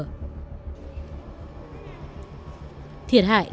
những ánh mắt đau khổ